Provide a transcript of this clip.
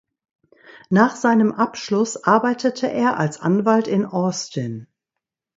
Nach seinem Abschluss arbeitete er als Anwalt in Austin.